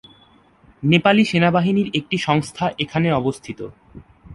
নেপালি সেনাবাহিনীর একটি সংস্থা এখানে অবস্থিত।